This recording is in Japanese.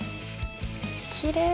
きれい。